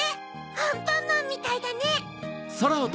アンパンマンみたいだね！